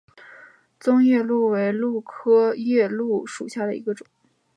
棕夜鹭为鹭科夜鹭属下的一个种。